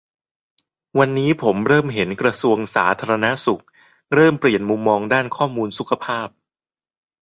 วันนี้ผมเริ่มเห็นกระทรวงสาธารณสุขเริ่มเปลี่ยนมุมมองด้านข้อมูลสุขภาพ